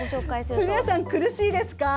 古谷さん、苦しいですか？